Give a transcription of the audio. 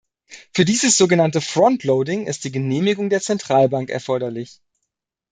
Für dieses sogenannte frontloading ist die Genehmigung der Zentralbank erforderlich.